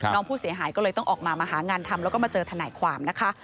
น้องผู้เสียหายก็เลยต้องออกมามาหางานทำแล้วก็มาเจอทนายความนะคะ